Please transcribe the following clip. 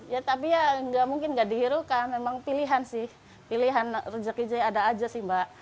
ya tapi ya nggak mungkin nggak dihirukan memang pilihan sih pilihan rezeki jaya ada aja sih mbak